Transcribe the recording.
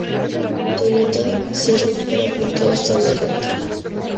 Toyota se recupera pronto de esta derrota.